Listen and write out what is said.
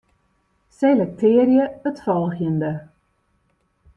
Selektearje it folgjende.